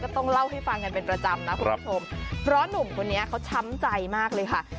ต้องเล่าให้ฟังกันเป็นประจำนะคุณผู้ชมเพราะหนุ่มคนนี้เขาช้ำใจมากเลยค่ะ